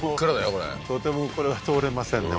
これとてもこれは通れませんね